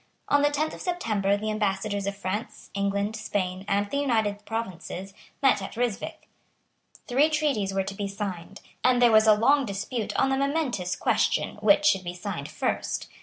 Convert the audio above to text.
On the tenth of September the Ambassadors of France, England, Spain and the United Provinces, met at Ryswick. Three treaties were to be signed, and there was a long dispute on the momentous question which should be signed first.